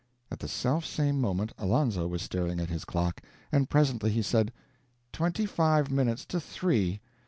At the self same moment Alonzo was staring at his clock. And presently he said: "Twenty five minutes to three!